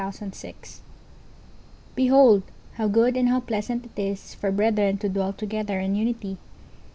19:133:001 Behold, how good and how pleasant it is for brethren to dwell together in unity!